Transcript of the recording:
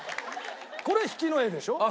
これ引きの画でしょ。